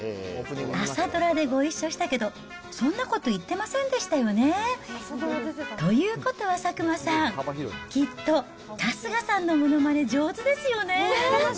朝ドラでご一緒したけど、そんなこと言ってませんでしたよね。ということは佐久間さん、きっと春日さんのものまね、上手ですよね？